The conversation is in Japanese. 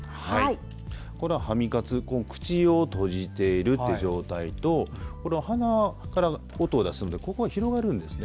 このハミ活口を閉じているっていう状態と鼻から音を出すのでここが広がるんですね。